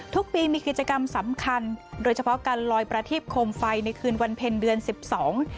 ทุกปีมีกิจกรรมสำคัญโดยเฉพาะการลอยประทีบโคมไฟในคืนวันเพ็ญเดือนสิบสอง